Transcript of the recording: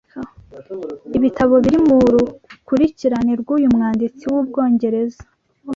Ibitabo biri murukurikirane rwuyu mwanditsi wubwongereza